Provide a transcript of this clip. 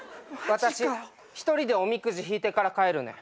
私１人でおみくじ引いてから帰るね。